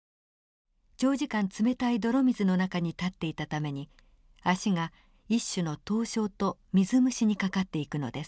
長時間冷たい泥水の中に立っていたために足が一種の凍傷と水虫にかかっていくのです。